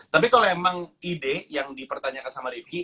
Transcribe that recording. tapi kalo emang ide yang dipertanyakan sama rizki